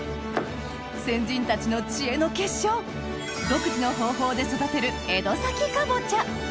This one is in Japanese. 先人たちの知恵の結晶独自の方法で育てる江戸崎かぼちゃ